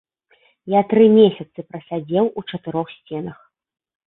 Я тры месяцы прасядзеў у чатырох сценах.